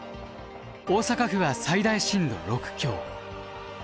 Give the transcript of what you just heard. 大阪府は最大震度６強。